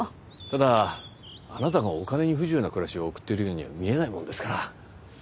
ただあなたがお金に不自由な暮らしを送っているようには見えないものですから。